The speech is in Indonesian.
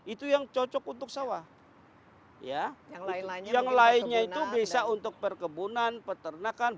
itu yang cocok untuk sawah ya yang lain lain yang lainnya itu bisa untuk perkebunan peternakan